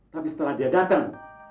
tapi setelah dia datang